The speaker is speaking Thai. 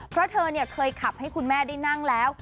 เพราะเธอเคยขับให้คุณแม่ได้นั่งแล้ว